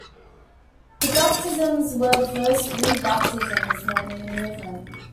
These baptisms were the first "re-baptisms" known in the movement.